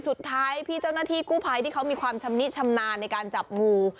สุดท้ายพี่เจ้าหน้าที่กู้ภัยที่เขามีความชำนิชำนาญในการจับงู